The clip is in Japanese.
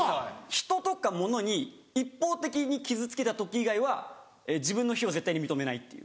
人とか物に一方的に傷つけた時以外は自分の非を絶対に認めないっていう。